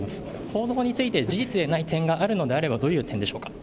報道について、事実でない点があるとすれば、どういう点でしょうか。